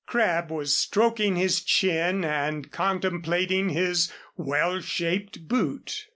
Crabb was stroking his chin and contemplating his well shaped boot.